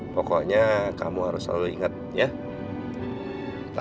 pokoknya kamu harus selalu ingat ya